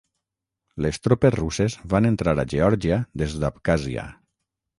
Les tropes russes van entrar a Geòrgia des d'Abkhàzia.